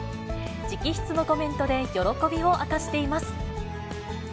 直筆のコメントで喜びを明かしています。